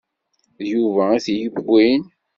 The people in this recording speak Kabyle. D Yuba i t-yewwin.